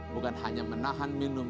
bukan hanya menahan minum